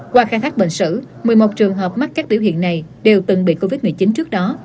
qua khai thác bệnh sử một mươi một trường hợp mắc các biểu hiện này đều từng bị covid một mươi chín trước đó